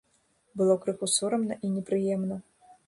Было крыху сорамна і непрыемна.